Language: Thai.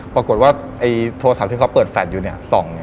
ปรากฏว่าโทรศัพท์ที่เขาเปิดแฟลตอยู่